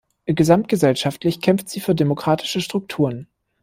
Gesamtgesellschaftlich kämpft sie für demokratische Strukturen.